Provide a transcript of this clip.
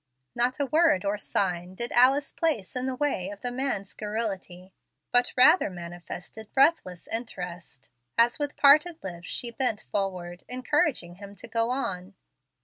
Not a word or sign did Alice place in the way of the man's garrulity, but rather manifested breathless interest, as with parted lips she bent forward, encouraging him to go on.